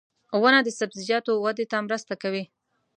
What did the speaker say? • ونه د سبزیجاتو وده ته مرسته کوي.